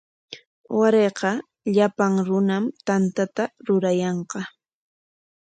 Warayqa llapan runam tantata rurayanqa.